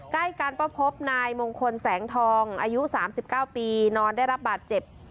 ใกล้กันเพราะพบนายมงคลแสงทองอายุสามสิบเก้าปีนอนได้รับบาดเจ็บ